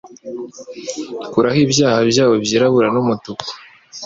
Kuraho ibyaha byabo byirabura n'umutuku